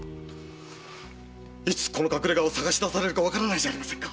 いつこの隠れ家を捜し出されるかわからないじゃありませんか。